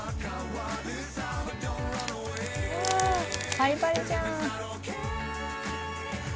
パリパリじゃん！